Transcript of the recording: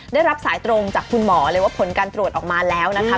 ได้รับสายตรงจากคุณหมอเลยว่าผลการตรวจออกมาแล้วนะคะ